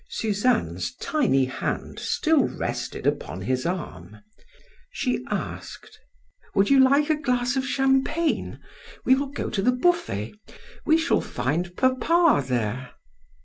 Suzanne's tiny hand still rested upon his arm. She asked: "Would you like a glass of champagne? We will go to the buffet; we shall find papa there."